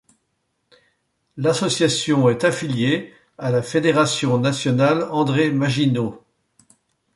L'association est affiliée à la Fédération nationale André Maginot.